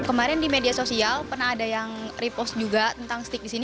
kemarin di media sosial pernah ada yang repost juga tentang steak disini